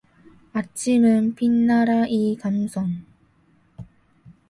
아침은 빛나라 이 강산